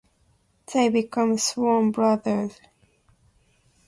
They become sworn brothers.